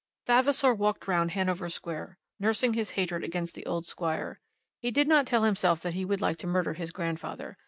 Vavasor walked round Hanover Square, nursing his hatred against the old Squire. He did not tell himself that he would like to murder his grandfather.